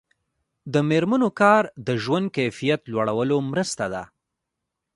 د میرمنو کار د ژوند کیفیت لوړولو مرسته ده.